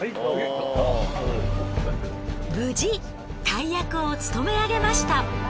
無事大役を務めあげました。